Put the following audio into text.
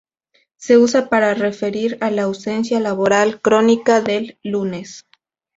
Se usa para referir a la ausencia laboral crónica del lunes.